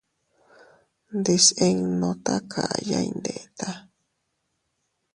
Ndisinnu takaya iyndeta.